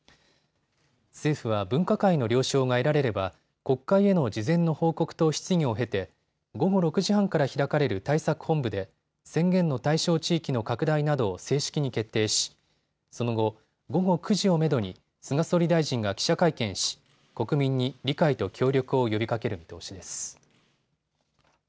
政府は分科会の了承が得られれば国会への事前の報告と質疑を経て午後６時半から開かれる対策本部で宣言の対象地域の拡大などを正式に決定し、その後、午後９時をめどに菅総理大臣が記者会見し国民に理解と協力を呼びかける見通しです。